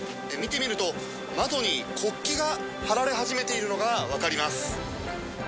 見てみると、窓に国旗が貼られ始めているのが分かります。